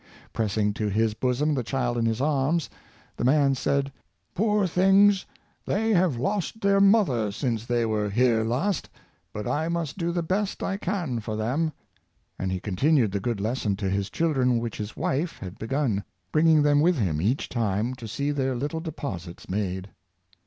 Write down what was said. Pressing to his bosom the child in his arms, the man said, "Poor things! they have lost their mother since they were here last; but I must do the best I can for them." And he continued the good lesson to his children which his wife had begun, bringing them with him each time to see their little deposits made.